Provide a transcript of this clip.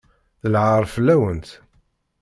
D lɛaṛ fell-awent!